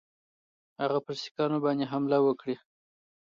هغه پر سیکهانو باندي حمله وکړي.